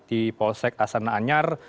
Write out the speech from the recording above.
di polsek asana anyar